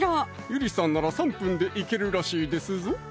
ゆりさんなら３分でいけるらしいですぞ